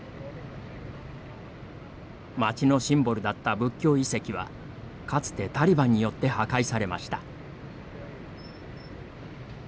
町のシンボルだった仏教遺跡はかつてタリバンによって破壊されました。